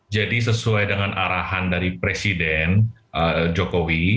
jadi sesuai dengan arahan dari presiden jokowi